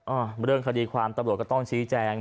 อ้าวเรื่องขดีความตะโรธก็ต้องชิงแจง